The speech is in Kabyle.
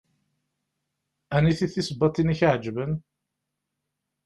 Aniti tisebbaḍin i ak-iɛeǧben?